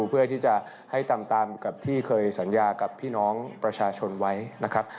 เพื่อที่จะให้ทำตามกับที่เคยสัญญากับพี่น้องประชาชนไว้นะครับ